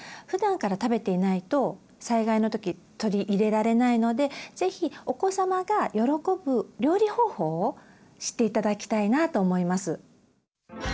ふだんから食べていないと災害の時取り入れられないのでぜひお子様が喜ぶ料理方法を知って頂きたいなと思います。